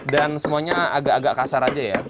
dan semuanya agak agak kasar saja ya